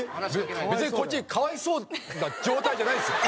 別にこっちは可哀想な状態じゃないんですよ。